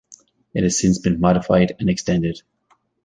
It has since been modified and extended.